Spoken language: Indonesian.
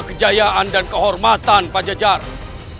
kejayaan dan kehormatan pajajaran